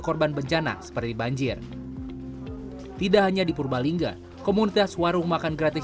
korban bencana seperti banjir tidak hanya di purbalingga komunitas warung makan gratis